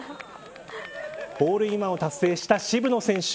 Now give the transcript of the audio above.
ホールインワンを達成した渋野選手。